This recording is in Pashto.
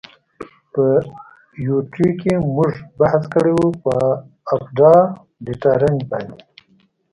په یوټیو کی مونږ بحث کړی وه په آپډا ډیټا رنج باندی.